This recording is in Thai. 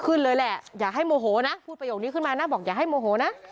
ขึ้นเลยแหละอย่าให้โมโหนะพูดประโยคนี้ขึ้นมานะบอกอย่าให้โมโหนะ